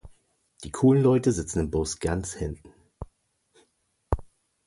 Die coolen Leute sitzen im Bus ganz hinten.